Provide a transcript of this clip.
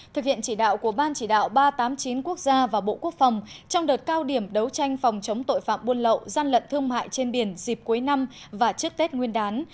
thực hiện chỉ đạo của ban chỉ đạo ba trăm tám mươi chín quốc gia và bộ quốc phòng trong đợt cao điểm đấu tranh phòng chống tội phạm buôn lậu gian lận thương mại trên biển dịp cuối năm và trước tết nguyên đán